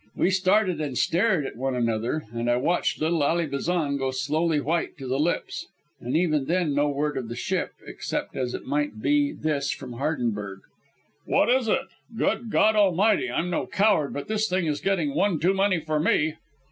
We started and stared at one another, and I watched little Ally Bazan go slowly white to the lips. And even then no word of the ship, except as it might be this from Hardenberg: "What is it? Good God Almighty, I'm no coward, but this thing is getting one too many for me."